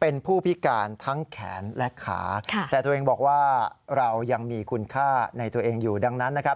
เป็นผู้พิการทั้งแขนและขาแต่ตัวเองบอกว่าเรายังมีคุณค่าในตัวเองอยู่ดังนั้นนะครับ